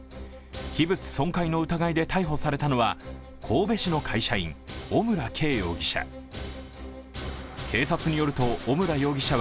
器物損壊の疑いで逮捕されたのは神戸市の会社員、小村慶容疑者。